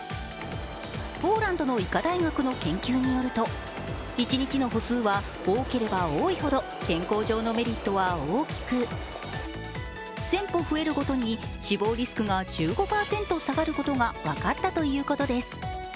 ポーランドの医科大学の研究によると、一日の歩数は多ければ多いほど健康上のメリットは大きく、１０００歩増えるごとに死亡リスクが１５％下がることが分かったということです。